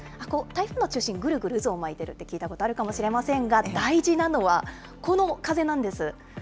台風の中心、ぐるぐる渦を巻いてると聞いたことあるかもしれませんが、大事なのは、この風なんです。